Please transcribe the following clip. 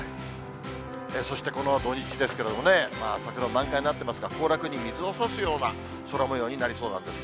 そしてこの土日ですけれどもね、桜も満開になってますが、行楽に水をさすような空もようになりそうなんです。